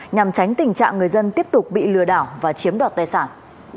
nhằm tránh tình trạng người dân tiếp tục bị lừa đảo và chiếm đoạt tài sản